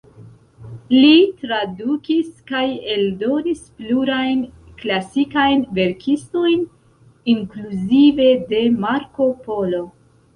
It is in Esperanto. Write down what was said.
Li tradukis kaj eldonis plurajn klasikajn verkistojn, inkluzive de Marko Polo.